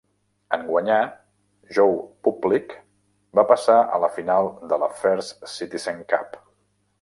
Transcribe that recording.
En guanyar, Joe Public va passar a la final de la First Citizens Cups.